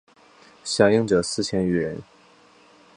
响应者四千余人。